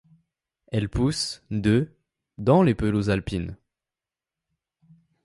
Elle pousse de dans les pelouses alpines.